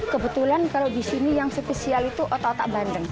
kebetulan kalau di sini yang spesial itu otak otak bandeng